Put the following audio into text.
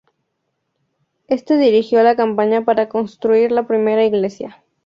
Este dirigió la campaña para construir la primera iglesia.